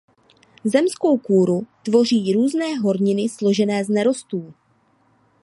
Zemskou kůru tvoří různé horniny složené z nerostů.